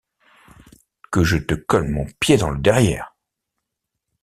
que je te colle mon pied dans le derrière !…